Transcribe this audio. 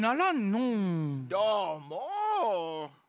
どーも。